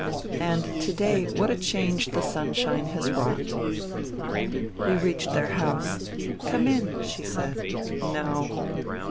... And to day what a change the sunshine has wrought ! We reached their house. " Come in," she said. " No."